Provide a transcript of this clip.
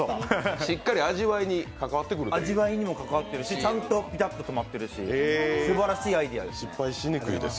味わいにもかかわっているし、ちゃんとビタッと止まってるしすばらしいアイデア。